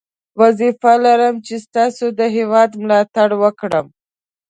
وظیفه لرم چې ستاسو د هیواد ملاتړ وکړم.